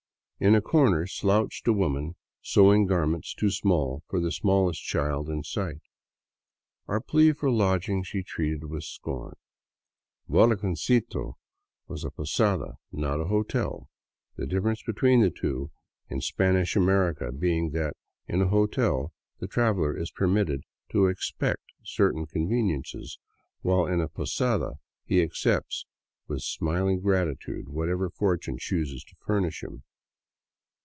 In a corner slouched a woman sewing gar ments too small for the smallest child in sight. Our plea for lodging she treated with scorn. " Volcancito '^ was a posada, not a hotel, the difference between the two in Spanish America being that in a hotel the traveler is permitted to expect certain conveniences while in a posada he accepts with smiHng gratitude whatever fortune chooses to furnish him.